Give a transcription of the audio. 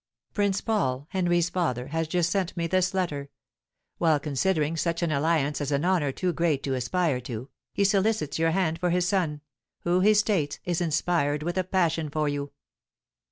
"Prince Paul, Henry's father, has just sent me this letter. While considering such an alliance as an honour too great to aspire to, he solicits your hand for his son, who, he states, is inspired with a passion for you."